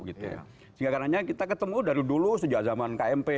sehingga karena kita ketemu dari dulu sejak zaman kmp